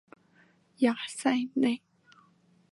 雅塞内。